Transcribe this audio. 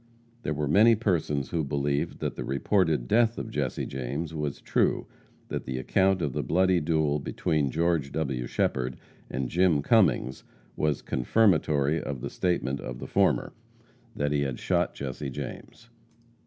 There were many persons who believed that the reported death of Jesse James was true; that the account of the bloody duel between George W. Shepherd and Jim Cummings, was confirmatory of the statement of the former, that he had shot Jesse James.